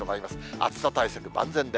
暑さ対策、万全で。